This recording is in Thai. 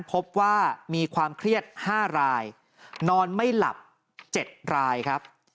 พบว่ามีความเครียด๕รายนอนไม่หลับ๗รายครับ